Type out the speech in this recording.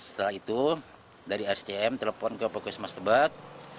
setelah itu dari rstm telepon ke pusmas tebat